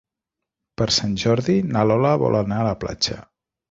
Per Sant Jordi na Lola vol anar a la platja.